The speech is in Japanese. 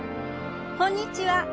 こんにちは！